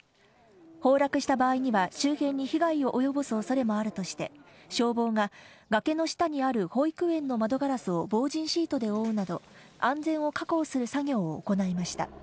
崩落した場合には周辺に被害を及ぼすおそれもあるとして、消防が崖の下にある保育園の窓ガラスを防じんシートで覆うなど、安全を確保する作業を行いました。